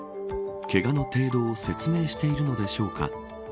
けがの程度を説明しているのでしょうか